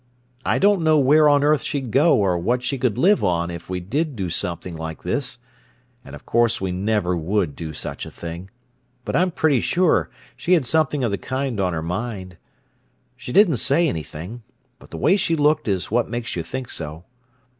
I don't know where on earth she'd go or what she could live on if we did do something like this, and of course we never would do such a thing, but I'm pretty sure she had something of the kind on her mind. She didn't say anything, but the way she looked is what makes me think so.